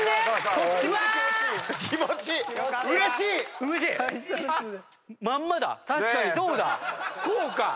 こうか。